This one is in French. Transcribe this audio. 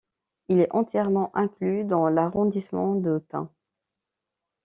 Il est entièrement inclus dans l'arrondissement d'Autun.